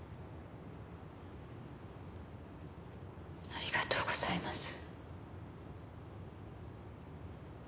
ありがとうございます。